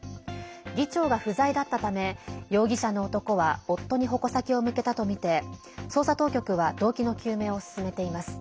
議長が不在だったため容疑者の男は夫の矛先を向けたとみて捜査当局は動機の究明を進めています。